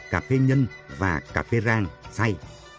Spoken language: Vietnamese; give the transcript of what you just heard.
cà phê nhân và cà phê rang say